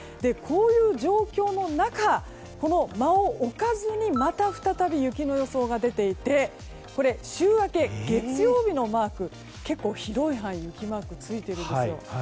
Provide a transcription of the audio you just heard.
こういう状況の中間を置かずに、また再び雪の予想が出ていて週明け月曜日のマーク結構、広い範囲に雪マークついているんですよ。